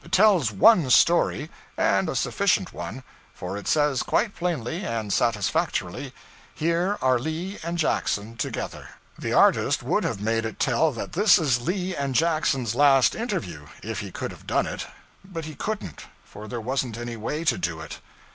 It tells _one _story, and a sufficient one; for it says quite plainly and satisfactorily, 'Here are Lee and Jackson together.' The artist would have made it tell that this is Lee and Jackson's last interview if he could have done it. But he couldn't, for there wasn't any way to do it.